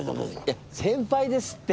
いや先輩ですって。